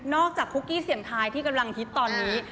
จากคุกกี้เสียงทายที่กำลังฮิตตอนนี้